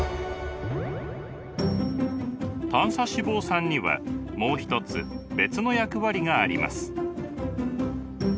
短鎖脂肪酸にはもう一つ別の役割があります。